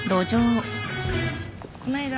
こないだ